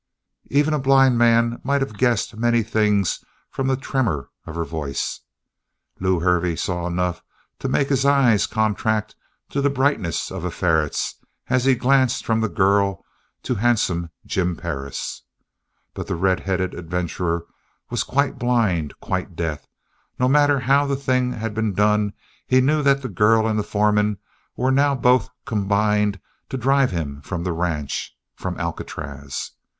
Even a blind man might have guessed many things from the tremor of her voice. Lew Hervey saw enough to make his eyes contract to the brightness of a ferret's as he glanced from the girl to handsome Jim Perris. But the red headed adventurer was quite blind, quite deaf. No matter how the thing had been done, he knew that the girl and the foreman were now both combined to drive him from the ranch, from Alcatraz.